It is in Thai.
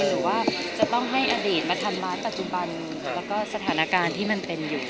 หรือว่าจะต้องให้อดีตมาทำร้ายปัจจุบันแล้วก็สถานการณ์ที่มันเป็นอยู่